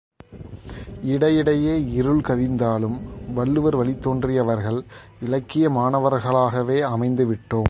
இடையிடையே இருள் கவிந்தாலும் வள்ளுவர் வழித்தோன்றியவர்கள் இலக்கிய மாணவர்களாகவே அமைந்துவிட்டோம்!